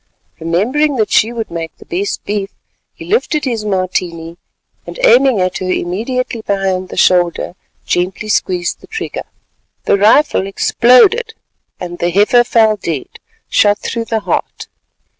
Remembering that she would make the best beef, he lifted his Martini, and aiming at her immediately behind the shoulder, gently squeezed the trigger. The rifle exploded, and the heifer fell dead, shot through the heart.